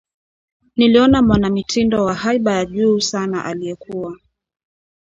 niliona mwanamitindo wa haiba ya juu sana aliyekuwa